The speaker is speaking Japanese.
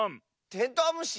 テントウムシ。